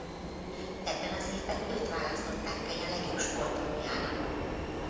Ebben az évben őt választották Kenya legjobb sportolójának.